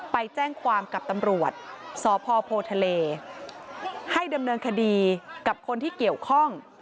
ไปแจ้งความกับตำรวจสพโพทะเลให้ดำเนินคดีกับคนที่เกี่ยวข้อง